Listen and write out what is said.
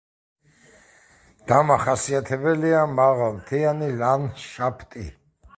დამახასიათებელია მაღალმთიანი ლანდშაფტი.